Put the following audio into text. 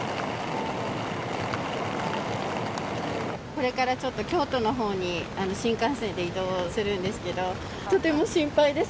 これからちょっと京都のほうに新幹線で移動するんですけど、とても心配です。